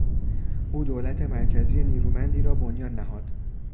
او دولت مرکزی نیرومندی را بنیان نهاد.